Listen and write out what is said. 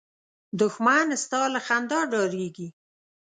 دښمن ستا له خندا ډارېږي